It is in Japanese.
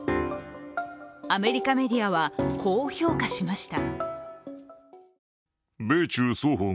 アメリカメディアはこう評価しました。